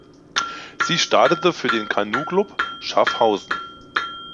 Sie startete für den Kanuclub Schaffhausen.